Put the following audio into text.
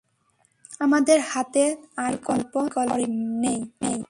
আমাদের হাতে আর কোনো বিকল্প পড়ে নেই!